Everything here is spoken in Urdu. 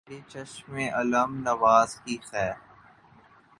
تیری چشم الم نواز کی خیر